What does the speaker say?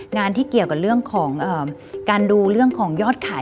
งานที่เกี่ยวกับเรื่องของการดูเรื่องของยอดขาย